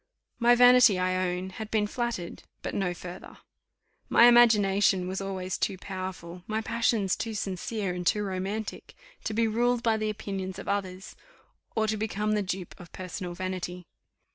My vanity, I own, had been flattered, but no further. My imagination was always too powerful, my passions too sincere and too romantic, to be ruled by the opinions of others, or to become the dupe of personal vanity.